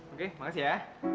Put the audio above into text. oke makasih ya